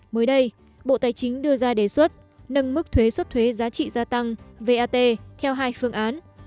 mới đây bộ tài chính đưa ra đề xuất nâng mức thuế xuất thuế giá trị gia tăng vat theo hai phương án